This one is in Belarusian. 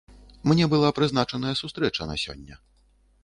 Мне была прызначаная сустрэча на сёння.